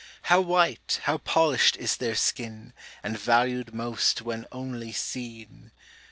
How white, how polish'd is their skin, And valu'd most when only seen!